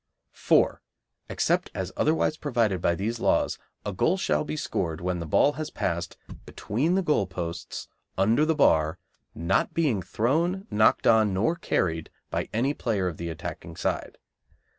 4. Except as otherwise provided by these laws a goal shall be scored when the ball has passed between the goal posts under the bar, not being thrown, knocked on, nor carried by any player of the attacking side.